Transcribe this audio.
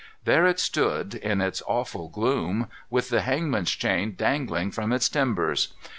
There it stood, in its awful gloom, with the hangman's chain dangling from its timbers.